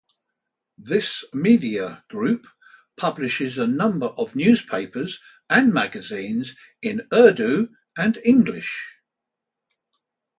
This media group publishes a number of newspapers and magazines in Urdu and English.